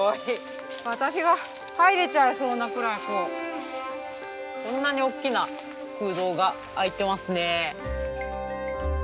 私が入れちゃいそうなくらいこんなに大きな空洞があいてますね。